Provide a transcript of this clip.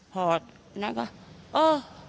พอนั้นก็เออ